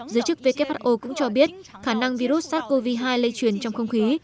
giới chức who cũng cho biết khả năng virus sars cov hai lây truyền trong không khí